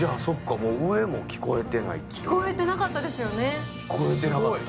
聞こえてなかったですよね。